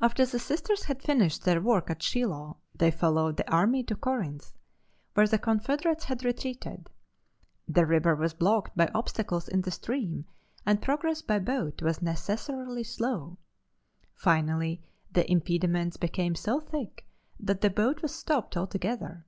After the Sisters had finished their work at Shiloh they followed the army to Corinth, where the Confederates had retreated. The river was blocked by obstacles in the stream and progress by boat was necessarily slow. Finally the impediments became so thick that the boat was stopped altogether.